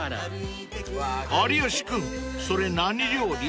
［有吉君それ何料理？］